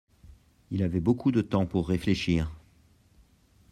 Il avait beaucoup de temps pour réfléchir.